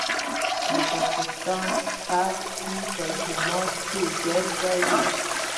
د پاکستان پوځ سپي په جوماتونو کي ګرځوي